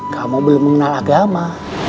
kamu belum mengenal agama